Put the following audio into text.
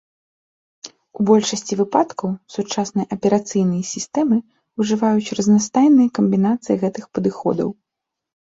У большасці выпадкаў сучасныя аперацыйныя сістэмы ўжываюць разнастайныя камбінацыі гэтых падыходаў.